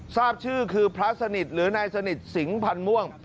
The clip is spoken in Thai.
ทราบชื่อคือพระสนิทหรือนายสนิทสิงพันธ์ม่วง